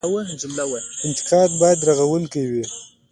انتقاد باید رغونکی وي